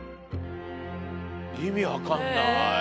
意味分かんない。